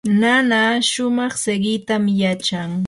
nana shumaq siqitam yachan.